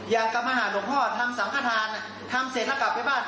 อยากกลับมาหาหลวงพ่อนำสังฆฐานทำเสร็จแล้วกลับไปบ้าน